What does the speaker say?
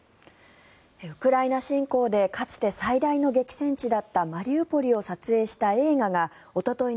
ウクライナ侵攻でかつて最大の激戦地だったマリウポリを撮影した映画がおととい